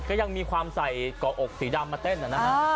ก็ยังมีความใส่เกาะอกสีดำมาเต้นนะฮะ